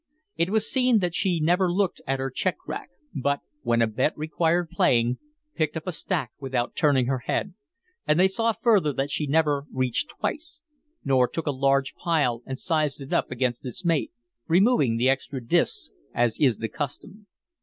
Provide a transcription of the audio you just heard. It was seen that she never looked at her check rack, but, when a bet required paying, picked up a stack without turning her head; and they saw further that she never reached twice, nor took a large pile and sized it up against its mate, removing the extra disks, as is the custom.